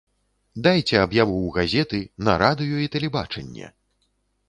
Дайце аб'яву ў газеты, на радыё і тэлебачанне.